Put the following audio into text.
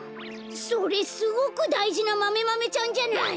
それすごくだいじなマメマメちゃんじゃない！